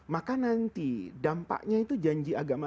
maka nanti dampaknya itu janji agama